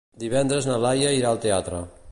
Divendres na Laia irà al teatre.